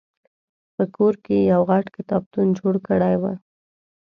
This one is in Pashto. په کور کې یې یو غټ کتابتون جوړ کړی و.